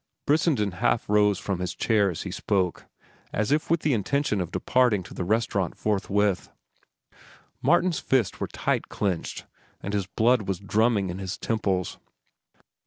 Brissenden half rose from his chair as he spoke, as if with the intention of departing to the restaurant forthwith. Martin's fists were tight clenched, and his blood was drumming in his temples.